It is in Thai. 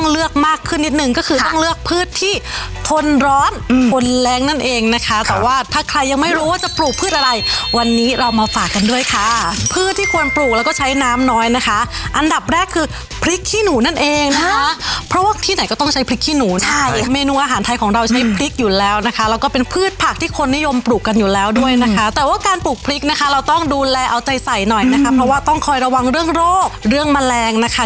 เหมือนร่มปกติที่เราใช้กันในชีวิตประจำวันนี่แหละค่ะ